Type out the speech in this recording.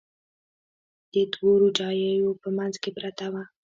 د دوو روجاییو په منځ کې پرته وه.